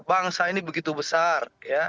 bangsa ini begitu besar